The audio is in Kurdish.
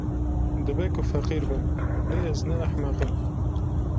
Dibe ku feqîr bim, lê ez ne ehmeq im.